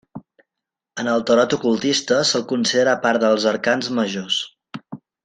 En el tarot ocultista se’l considera part dels Arcans majors.